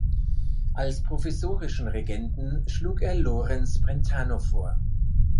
Als provisorischen Regenten schlug er Lorenz Brentano vor.